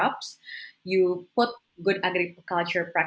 anda menempatkan praktik agrikultur yang baik